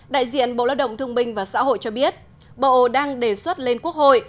đại diện bộ lao động thương minh và xã hội cho biết bộ đang đề xuất lên quốc hội